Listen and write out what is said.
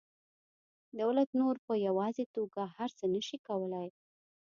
دولت نور په یوازې توګه هر څه نشي کولی